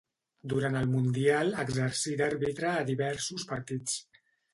Durant el Mundial exercí d'àrbitre a diversos partits.